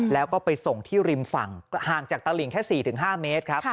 แล้วก็ไปส่งที่ริมฝั่งห่างจากตลิงแค่๔๕เมตรครับ